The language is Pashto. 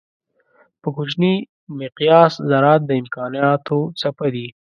په کوچني مقیاس ذرات د امکانانو څپه دي.